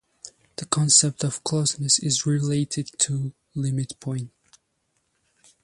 The concept of closeness is related to limit point.